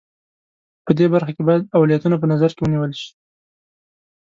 خو په دې برخه کې باید اولویتونه په نظر کې ونیول شي.